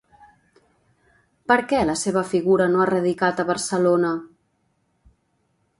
Per què la seva figura no ha radicat a Barcelona?